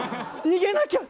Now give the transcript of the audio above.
逃げなきゃ！